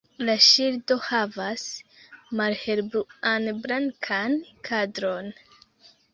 La ŝildo havas malhelbluan-blankan kadron.